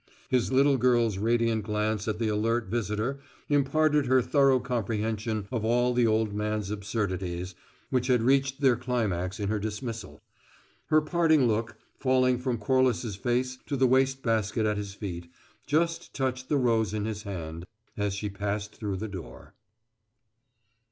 His little girl's radiant glance at the alert visitor imparted her thorough comprehension of all the old man's absurdities, which had reached their climax in her dismissal. Her parting look, falling from Corliss's face to the waste basket at his feet, just touched the rose in his hand as she passed through the door.